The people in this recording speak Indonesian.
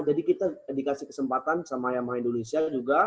jadi kita dikasih kesempatan sama yamaha indonesia juga